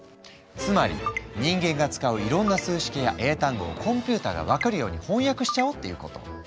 つまり人間が使ういろんな数式や英単語をコンピューターが分かるように翻訳しちゃおうっていうこと。